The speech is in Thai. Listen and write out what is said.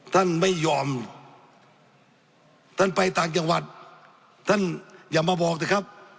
ท่านไม่ยอมท่านไปต่างจังหวัดท่านอย่ามาบอกนะครับ